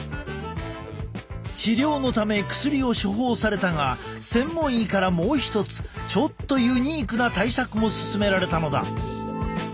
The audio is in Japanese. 治療のため薬を処方されたが専門医からもう一つちょっとユニークな対策も勧められたのだ。